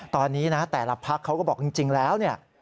ตอนนี้แต่ละพลักษณ์เขาก็บอกจริงแล้ว